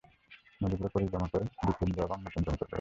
নদীগুলি পলি জমা করে দ্বীপপুঞ্জ এবং নতুন জমি তৈরি করে।